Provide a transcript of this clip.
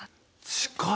近い。